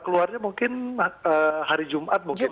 keluarnya mungkin hari jumat mungkin